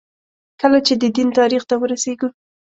کله چې د دین تاریخ ته وررسېږو.